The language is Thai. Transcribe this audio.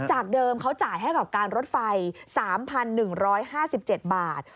จากเดิมเขาจ่ายให้กับการรถไฟ๓๑๕๗บาท